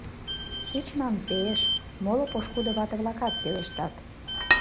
Шичман пе-еш! — моло пошкудо вате-влакат пелештат.